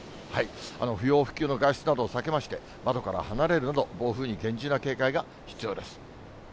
不要不急の外出などを避けまして、窓から離れるなど、暴風に厳重な警戒が必要です。